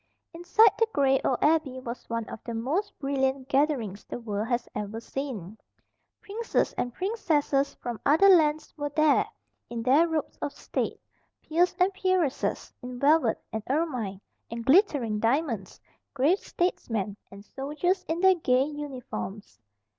Inside the gray old Abbey was one of the most brilliant gatherings the world has ever seen. Princes and princesses from other lands were there, in their robes of state; peers and peeresses, in velvet, and ermine, and glittering diamonds; grave statesmen; and soldiers in their gay uniforms.